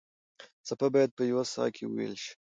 څپه باید په یوه ساه کې وېل شي.